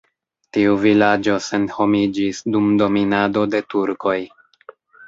Tiu vilaĝo senhomiĝis dum dominado de turkoj.